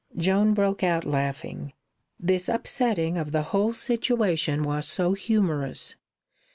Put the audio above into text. Joan broke out laughing; this upsetting of the whole situation was so humorous.